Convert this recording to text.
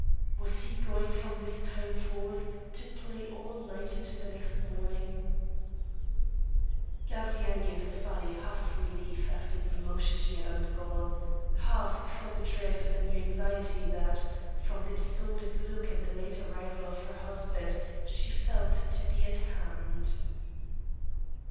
Was he going from this time forth to play all night into next morning } THE PRODIGAL HUSBAND. 51 Gabrielle gave a sigh, half of relief after the emotion she had undergone, half for dread of the new anxiety that, from the disor dered look and late arrival of her husband, she felt to be at hand.